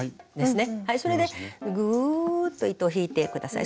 それでぐっと糸を引いて下さい。